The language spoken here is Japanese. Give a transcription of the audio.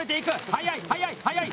速い、速い、速い！